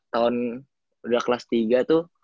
tahun udah kelas tiga tuh